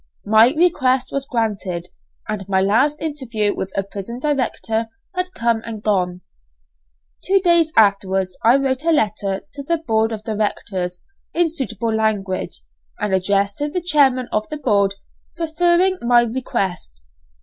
My request was granted, and my last interview with a prison director had come and gone. Two days afterwards I wrote a letter to the board of directors, in suitable language, and addressed to the chairman of the board, preferring my request.